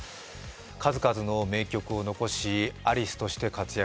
数々の名曲を残し、アリスとして活躍。